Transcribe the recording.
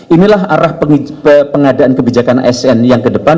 inilah arah pengadaan kebijakan asn yang kedepan